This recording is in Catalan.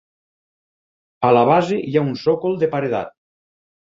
A la base hi ha un sòcol de paredat.